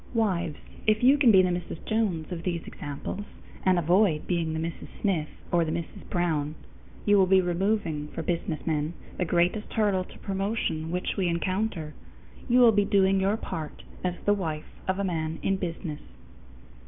Wives, if you can be the Mrs. Jones of these examples, and avoid being the Mrs. Smith or the Mrs. Brown, you will be removing for businessmen the greatest hurdle to promotion which we encounter. You will be doing your part as the wife of a man in business.